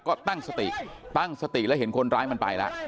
ก็ตั้งสติตั้งสติแล้วเห็นคนร้ายมันไปแล้ว